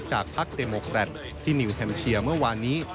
จากภักดิ์เดมโมแครตที่นิวแฮมเชียร์เมื่อวานนี้